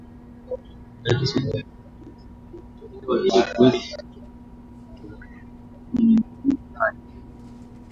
yakisubiri uwamuzi huo kutolewa ili kuweza kupiga marufuku utoawaji mimba kwenye majimbo hayo